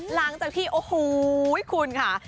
หลังจากที่โอ้โหคุณค่ะ